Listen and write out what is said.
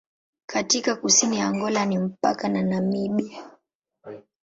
Katika kusini ya Angola ni mpaka na Namibia.